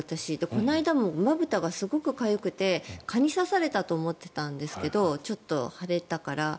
この間もまぶたがすごくかゆくて蚊に刺されたと思っていたんですけどちょっと腫れたから。